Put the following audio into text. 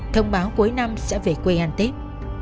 thông báo cuối năm sẽ về quê hàn tết